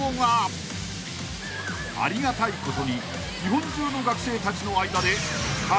［ありがたいことに日本中の学生たちの間で］